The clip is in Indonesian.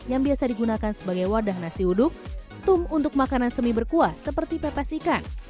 yang biasa digunakan sebagai wadah nasi uduk tum untuk makanan semi berkuah seperti pepes ikan